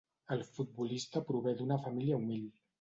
El futbolista prové d'una família humil.